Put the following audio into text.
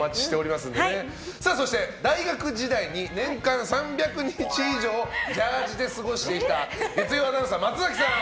そして、大学時代に年間３００日以上ジャージーで過ごしていた月曜アナウンサー、松崎さん。